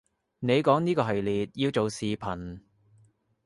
你講呢個系列要做視頻